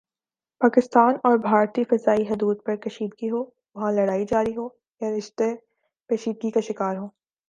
پاکستان اور بھارتی فضائی حدود پر کشیدگی ہو وہاں لڑائی جاری ہوں یا رشتہ پیچیدگی کا شکار ہوں